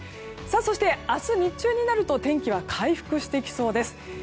そして明日、日中になると天気は回復してきそうです。